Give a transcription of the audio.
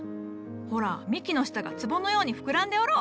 ほら幹の下がつぼのように膨らんでおろう。